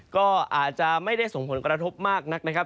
ก็อาจจะไม่ได้ส่งผลกระทบมากนักนะครับ